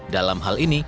dalam hal ini